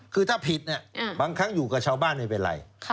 คือถ้าผิดเนี่ยบางครั้งอยู่กับชาวบ้านไม่เป็นไร